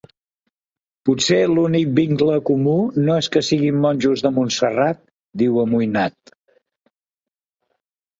Potser l'únic vincle comú no és que siguin monjos de Montserrat — diu, amoïnat.